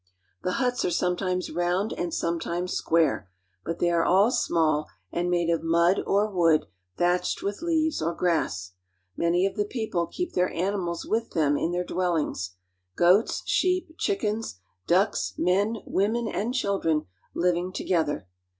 I ^^^F The huts are sometimes round and sometimes square; 1 ^^^rbut they are all small and made of mud or wood thatched I with leaves or grass. Many of the people keep their aoi J mals with them iu their dwellings; goats, sheep, chickens.j ^^^ ducks, men, women, and children living together.